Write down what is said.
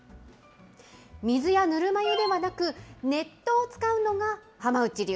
水やぬるま湯ではなく、熱湯を使うのが浜内流。